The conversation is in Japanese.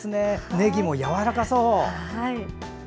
ねぎもやわらかそう。